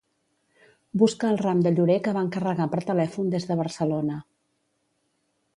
Busca el ram de llorer que va encarregar per telèfon des de Barcelona.